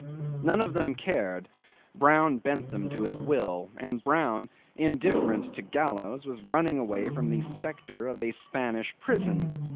None of them cared; Brown bent them to his will, and Brown, indifferent to gallows, was running away from the spectre of a Spanish prison.